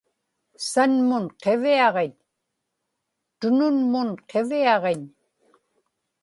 sanmun qiviaġiñ; tununmun qiviaġiñ